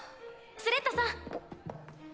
スレッタさん。